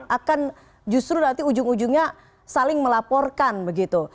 akan justru nanti ujung ujungnya saling melaporkan begitu